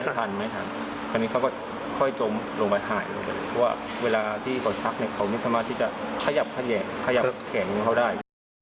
เพราะเวลาที่เขาชักเนี่ยเขานิษฐมาร์ที่จะขยับแข่งเขาได้